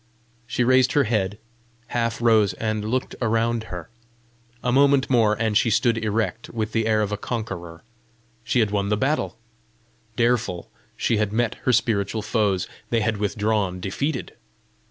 She raised her head, half rose, and looked around her. A moment more, and she stood erect, with the air of a conqueror: she had won the battle! Dareful she had met her spiritual foes; they had withdrawn defeated!